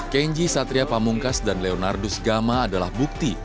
kenji satria pamungkas dan leonardo gama adalah bukti